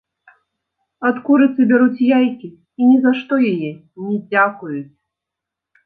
Ад курыцы бяруць яйкі і ні за што яе не дзякуюць.